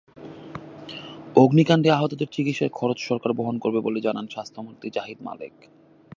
অগ্নিকাণ্ডে আহতদের চিকিৎসার খরচ সরকার বহন করবে বলে জানান স্বাস্থ্যমন্ত্রী জাহিদ মালেক।